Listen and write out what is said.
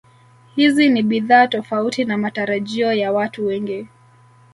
Hizi ni bidhaa tofauti na matarajio ya watu wengi